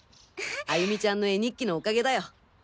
歩美ちゃんの絵日記のおかげだよ！